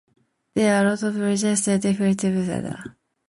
There are a lot of branches of it by different developers.